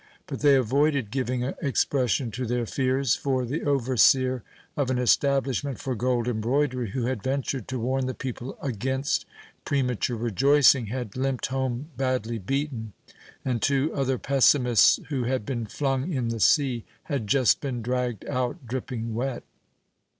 But they avoided giving expression to their fears, for the overseer of an establishment for gold embroidery, who had ventured to warn the people against premature rejoicing, had limped home badly beaten, and two other pessimists who had been flung in the sea had just been dragged out dripping wet.